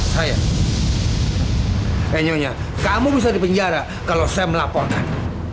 sayang enyonya kamu bisa di penjara kalau saya melaporkan